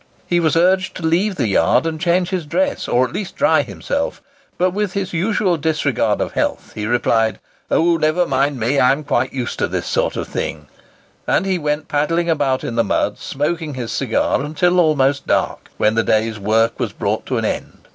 He was urged to leave the yard, and change his dress, or at least dry himself; but with his usual disregard of health, he replied, "Oh, never mind me—I'm quite used to this sort of thing;" and he went paddling about in the mud, smoking his cigar, until almost dark, when the day's work was brought to an end.